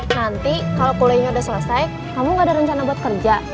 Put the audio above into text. nanti kalau kuliahnya udah selesai kamu gak ada rencana buat kerja